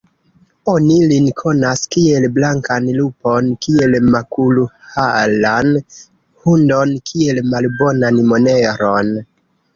Oni lin konas, kiel blankan lupon; kiel makulharan hundon; kiel malbonan moneron.